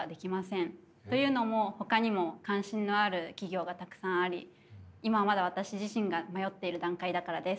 というのもほかにも関心のある企業がたくさんあり今まだ私自身が迷っている段階だからです。